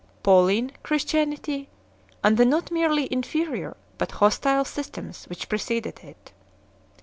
Pauline Chris tianity, and the not merely inferior but hostile systems which preceded it.